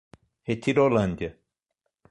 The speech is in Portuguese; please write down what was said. Retirolândia